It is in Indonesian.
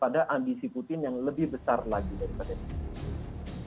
pada ambisi putin yang lebih besar lagi daripada ini